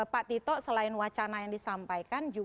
pak tito selain wacana yang disampaikan